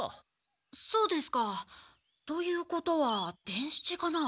そうですか。ということは伝七かな？